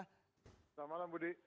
selamat malam budi